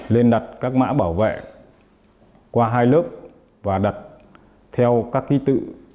lên đặt các mã bảo vệ qua hai lớp và đặt theo các ký tự